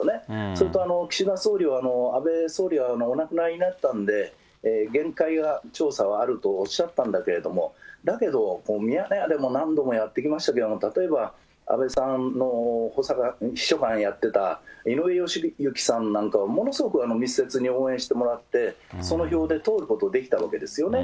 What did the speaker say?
それと岸田総理は、安倍総理はお亡くなりになったんで、限界が、調査はあるとおっしゃったんだけども、だけど、ミヤネ屋でも何度もやってきましたけど、例えば安倍さんの補佐官、秘書官やってた井上義行さんなんかはものすごく密接に応援してもらって、その票で通ることができたわけですよね。